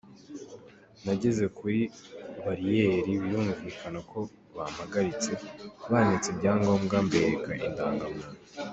Nageze kuri bariyeri birumvikana ko bampagaritse, banyatse ibyangombwa mbereka indangamuntu.